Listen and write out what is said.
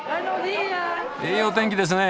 いいお天気ですね。